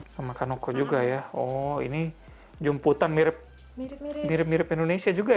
sama kanoko juga ya oh ini jemputan mirip mirip indonesia juga ya